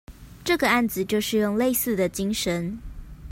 這個案子就是用類似的精神